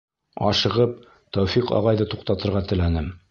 Ашығып, Тәүфиҡ ағайҙы туҡтатырға теләнем: